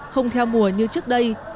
không theo mùa như trước đây